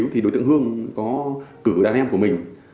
thì đối tượng hương có cử đàn em của mình